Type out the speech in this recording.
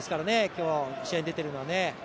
今日試合に出ているのは。